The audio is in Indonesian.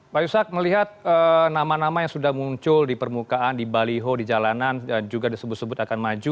pak yusak melihat nama nama yang sudah muncul di permukaan di baliho di jalanan juga disebut sebut akan maju